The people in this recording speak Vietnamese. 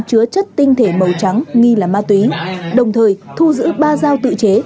chứa chất tinh thể màu trắng nghi là ma túy đồng thời thu giữ ba dao tự chế